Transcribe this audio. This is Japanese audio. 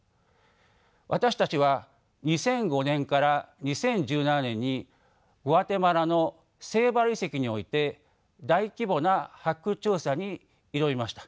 私たちは２００５年から２０１７年にグアテマラのセイバル遺跡において大規模な発掘調査に挑みました。